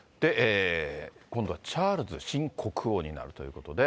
今度はチャールズ新国王になるということで。